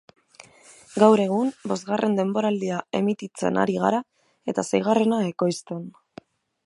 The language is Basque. Gaur egun bosgarren denboraldia emititzen ari gara eta seigarrena ekoizten.